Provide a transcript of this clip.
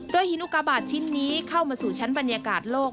หินอุกาบาทชิ้นนี้เข้ามาสู่ชั้นบรรยากาศโลก